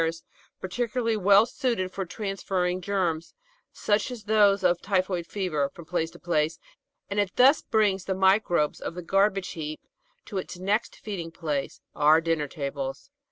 II— 16 Natural History 537 particularly well suited for transferring germs, such as those of typhoid fever, from place to place, and it thus brings the microbes of the garbage heap to its next feeding place, our dinner tables.